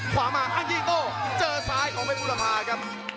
ขวามาอังยีโก้เจอซ้ายของเผ็ดพุรภาพครับ